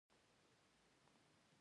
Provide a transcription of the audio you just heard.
لومړی دا چې د سفرونو ساحه یې پراخه ده.